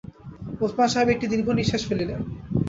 ওসমান সাহেব একটি দীর্ঘনিঃশ্বাস ফেললেন।